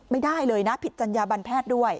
ไม่ได้เลยนะผิดจัญญาบันแพทย์ด้วย